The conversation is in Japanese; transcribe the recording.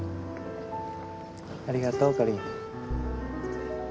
ありがとうかりん。